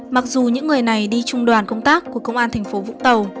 mặc dù những người này đi trung đoàn công tác của công an thành phố vũng tàu